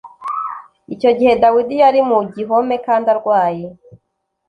icyo gihe dawidi yari mu gihome kandi arwaye